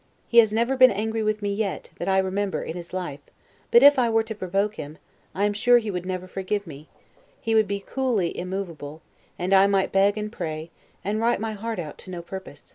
He has never been angry with me yet, that I remember, in his life; but if I were to provoke him, I am sure he would never forgive me; he would be coolly immovable, and I might beg and pray, and write my heart out to no purpose.